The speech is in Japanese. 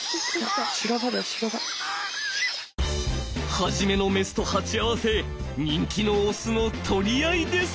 初めのメスと鉢合わせ人気のオスの取り合いです。